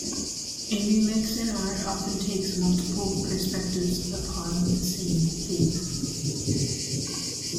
A remix in art often takes multiple perspectives upon the same theme.